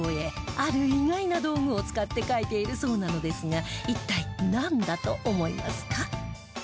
ある意外な道具を使って描いているそうなのですが一体なんだと思いますか？